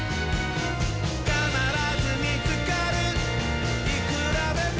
「かならずみつかるいくらでも」